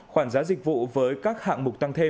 khoản giá dịch vụ với các hạng mục tăng thêm